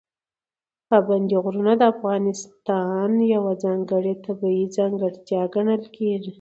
پابندي غرونه د افغانستان یوه ځانګړې طبیعي ځانګړتیا ګڼل کېږي.